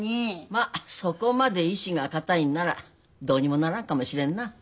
まあそこまで意志が固いんならどうにもならんかもしれんな。